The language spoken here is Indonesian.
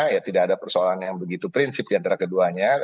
ya tidak ada persoalan yang begitu prinsip diantara keduanya